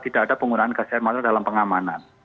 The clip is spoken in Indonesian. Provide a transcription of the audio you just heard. tidak ada penggunaan gas air mata dalam pengamanan